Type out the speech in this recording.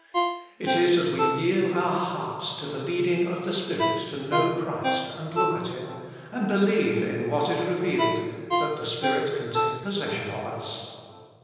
It is as we yield our hearts to the leading of the Spirit to know Christ and look at Him, and believe in what is revealed, that the Spirit can take possession of us.